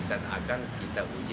dan akan kita gunakan